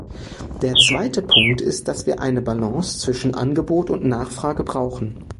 Der zweite Punkt ist, dass wir eine Balance zwischen Angebot und Nachfrage brauchen.